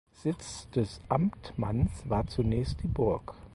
Sitz des Amtmanns war zunächst die Burg.